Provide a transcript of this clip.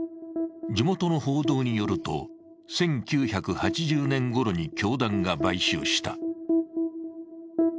地元の報道によると１９８０年ごろに教団が買収した。